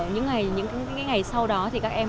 những ngày sau đó thì các em